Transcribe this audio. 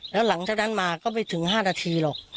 แล้วหลังจากนั้นมาก็ไม่ถึง๕นาทีหรอก